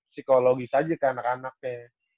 psikologis aja ke anak anaknya